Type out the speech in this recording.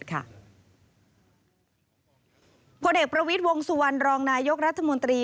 ผลเอกประวิทย์วงสุวรรณรองนายกรัฐมนตรี